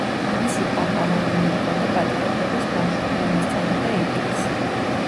მისი პაპა რაბინი იყო და პატარა ბორისს ბავშვობიდან ასწავლიდა ივრითს.